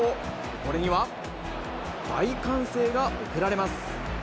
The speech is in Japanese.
これには、大歓声が送られます。